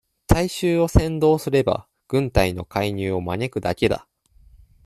大衆を扇動すれば、軍隊の介入を招くだけだ。